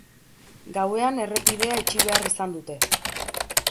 Gauean errepidea itxi behar izan dute.